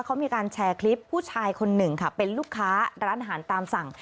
เขามีการแชร์คลิปผู้ชายคนหนึ่งค่ะเป็นลูกค้าร้านอาหารตามสั่ง